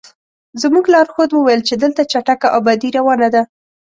زموږ لارښود وویل چې دلته چټکه ابادي روانه ده.